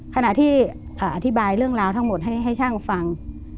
ขณะที่อธิบายเรื่องราวทั้งหมดให้ช่างฟัง